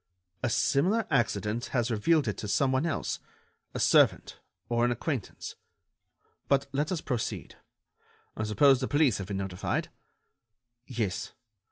"A similar accident has revealed it to some one else ... a servant ... or an acquaintance. But let us proceed: I suppose the police have been notified?" "Yes.